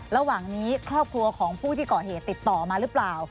ระหว่างนี้ครอบครัวของผู้ที่ก่อเหตุติดต่อมาหรือเปล่า